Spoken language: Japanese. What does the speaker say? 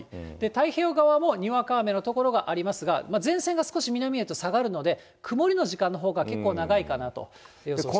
太平洋側もにわか雨の所がありますが、前線が少し南へと下がるので、曇りの時間のほうが結構長いかなと予想してます。